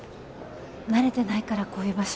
慣れてないからこういう場所。